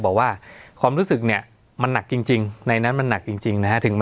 สวัสดีครับทุกผู้ชม